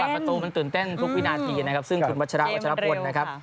มันตื่นเต้นมันตื่นเต้นทุกวินาทีนะครับซึ่งคุณวัชราะโจรฟุนนะครับ